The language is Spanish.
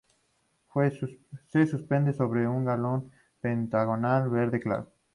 Se suspende sobre un galón pentagonal verde claro.